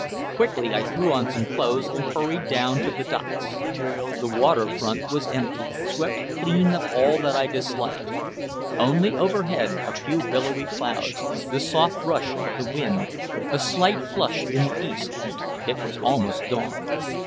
Quickly I threw on some clothes and hurried down to the docks. The waterfront was empty, swept clean of all that I disliked. Only overhead a few billowy clouds, the soft rush of the wind, a slight flush in the east, it was almost dawn.